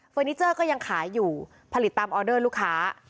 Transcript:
นิเจอร์ก็ยังขายอยู่ผลิตตามออเดอร์ลูกค้า